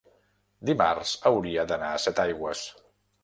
Dimarts hauria d'anar a Setaigües.